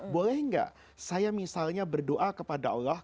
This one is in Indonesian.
boleh nggak saya misalnya berdoa kepada allah